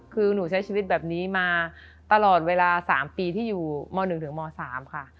คือหนูใช้ชีวิตแบบนี้มาตลอดเวลา๓ปีที่อยู่ม๑ถึงม๓ค่ะ